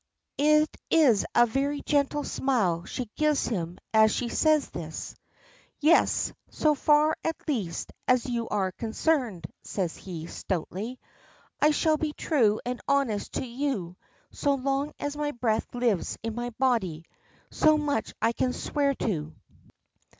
It is a very gentle smile she gives him as she says this. "Yes: so far, at least, as you are concerned," says he, stoutly. "I shall be true and honest to you so long as my breath lives in my body. So much I can swear to."